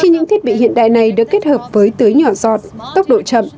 những thiết bị hiện đại này được kết hợp với tưới nhỏ giọt tốc độ chậm